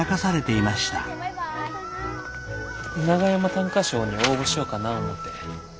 長山短歌賞に応募しよかな思て。